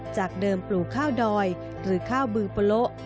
จากเดิมปลูกข้าวดอยหรือข้าวบือปะโละ